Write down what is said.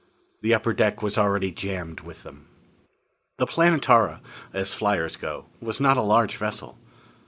The upper deck was already jammed with them. The Planetara, as flyers go, was not a large vessel.